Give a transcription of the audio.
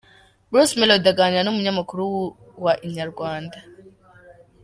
Bruce Melody aganira n’umunyamakuru wa Inyarwanda.